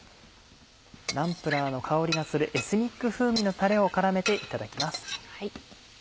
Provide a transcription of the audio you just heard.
ナンプラーの香りがするエスニック風味のタレを絡めていただきます。